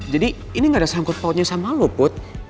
jadi ini gak ada sangkut pautnya sama lo put